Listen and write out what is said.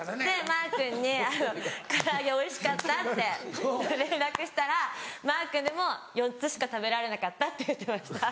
マー君に「唐揚げおいしかった」って連絡したらマー君でも４つしか食べられなかったって言ってました。